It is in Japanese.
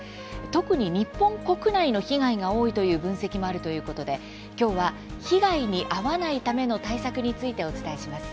特に日本国内の被害が多いという分析もあるということで今日は被害にあわないための対策についてお伝えします。